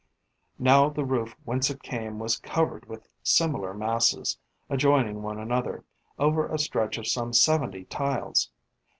Now the roof whence it came was covered with similar masses, adjoining one another, over a stretch of some seventy tiles.